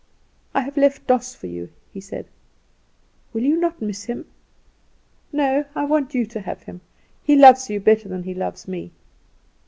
"I have left Doss for you," he said. "Will you not miss him?" "No; I want you to have him. He loves you better than he loves me."